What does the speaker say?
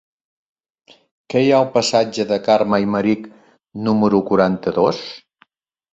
Què hi ha al passatge de Carme Aymerich número quaranta-dos?